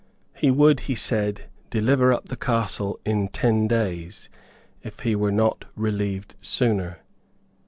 He would, he said, deliver up the castle in ten days, if he were not relieved sooner.